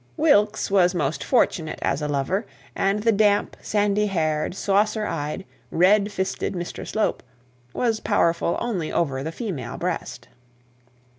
Wilkes was most fortunate as a lover; and the damp, sandy haired, saucer eyed, red fisted Mr Slope was powerful only over the female breast.